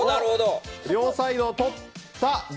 両サイドを取った。